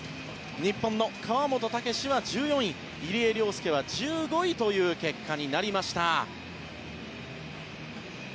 日本の川本武史は１４位入江陵介は１５位という結果になりました。